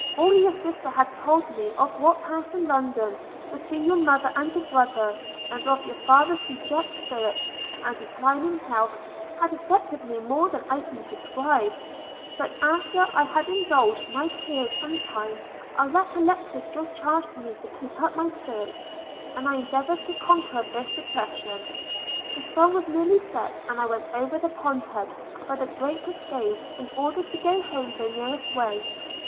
All your sister had told me of what passed in London between your mother and your brother, and of your father's dejected spirits and declining health, had affected me more than I can describe: but after I had indulged my tears some time, I recollected your charge to me to keep up my spirits, and I endeavoured to conquer this depression. The sun was nearly set, and I went over the pond head by the great cascade, in order to go home the nearest way.